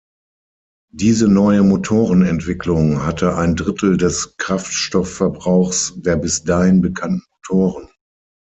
Diese neue Motorenentwicklung hatte ein Drittel des Kraftstoffverbrauchs der bis dahin bekannten Motoren.